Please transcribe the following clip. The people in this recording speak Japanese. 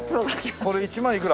これ１万いくら？